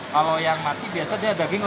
kalau yang mati biasa dia daging lebih lembut